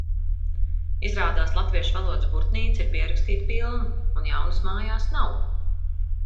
Izrādās latviešu valodas burtnīca ir pierakstīta pilna, un jaunas mājās nav.